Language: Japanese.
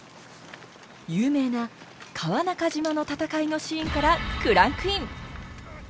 有名な川中島の戦いのシーンからクランクイン！